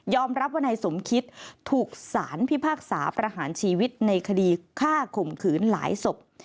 รับว่านายสมคิดถูกสารพิพากษาประหารชีวิตในคดีฆ่าข่มขืนหลายศพ